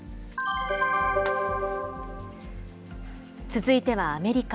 続いてはアメリカ。